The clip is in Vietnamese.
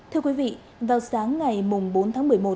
thưa quý vị vào sáng ngày bốn tháng một mươi một